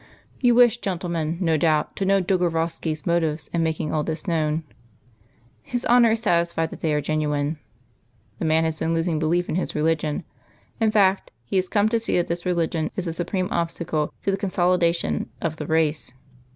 "You wish, gentlemen, no doubt, to know Dolgorovski's motives in making all this known. His Honour is satisfied that they are genuine. The man has been losing belief in his religion; in fact, he has come to see that this religion is the supreme obstacle to the consolidation of the race.